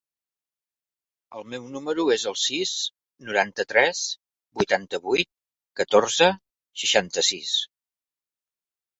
El meu número es el sis, noranta-tres, vuitanta-vuit, catorze, seixanta-sis.